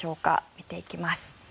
見ていきます。